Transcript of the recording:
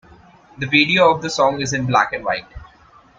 The video of the song is in black-and-white.